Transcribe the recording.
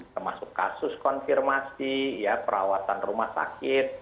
termasuk kasus konfirmasi perawatan rumah sakit